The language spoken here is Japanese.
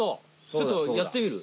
ちょっとやってみる？